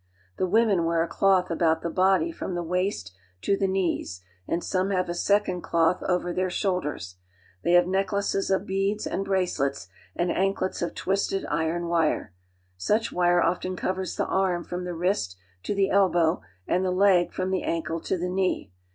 Thewomen wear a cloth about the body from the waist to the knees, and some have a second cloth over their shoulders. They have neck laces of beads, and bracelets and an klets of twisted iron wire. Such wire often covers the arm from the wrist to the elbow, and the leg from the ankle to the knee.